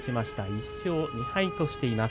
１勝２敗としています。